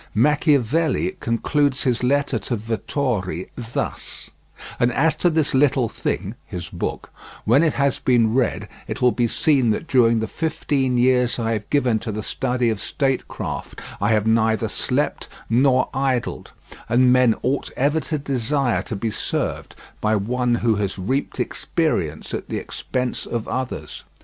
Machiavelli concludes his letter to Vettori thus: "And as to this little thing [his book], when it has been read it will be seen that during the fifteen years I have given to the study of statecraft I have neither slept nor idled; and men ought ever to desire to be served by one who has reaped experience at the expense of others.